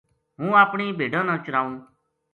ہوں اپنی بھیڈاں نا چرائوں ‘‘